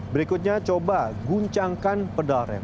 berikutnya coba guncangkan pedal rem